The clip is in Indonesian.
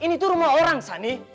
ini tuh rumah orang sani